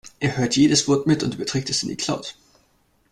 Er hört jedes Wort mit und überträgt es in die Cloud.